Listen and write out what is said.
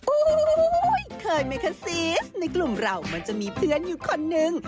โอ้โหเคยไหมคะซีสในกลุ่มเรามันจะมีเพื่อนอยู่คนนึง